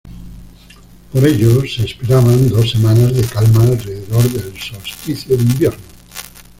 Por ello se esperaban dos semanas de calma alrededor del solsticio de invierno.